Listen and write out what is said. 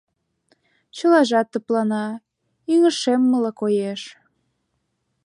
чылажат тыплана, ӱҥышеммыла коеш.